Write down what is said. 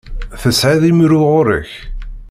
Tesɛiḍ imru ɣer-k?